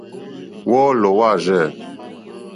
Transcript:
Wɔ́ɔ́lɔ̀ wâ rzɛ̂.